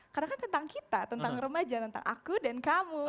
karena kan tentang kita tentang remaja tentang aku dan kamu